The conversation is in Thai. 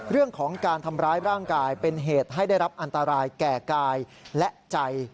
เรื่องของการทำร้ายร่างกายเป็นเหตุให้ได้รับอันตรายแก่กายและใจ